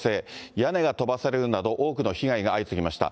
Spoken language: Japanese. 屋根が飛ばされるなど、多くの被害が相次ぎました。